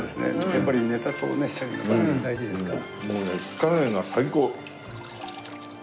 やっぱりネタとねシャリのバランス大事ですから。